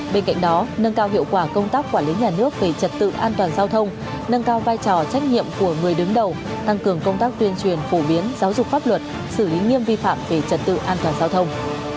bên cạnh đó nâng cao hiệu quả công tác quản lý nhà nước về trật tự an toàn giao thông nâng cao vai trò trách nhiệm của người đứng đầu tăng cường công tác tuyên truyền phổ biến giáo dục pháp luật xử lý nghiêm vi phạm về trật tự an toàn giao thông